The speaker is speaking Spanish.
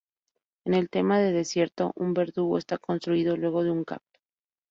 En el tema de desierto, un verdugo está construido luego de un cacto.